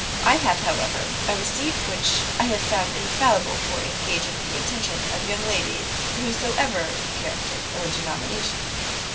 I have, however, a receipt which I have found infallible for engaging the attention of young ladies of whatsoever character or denomination."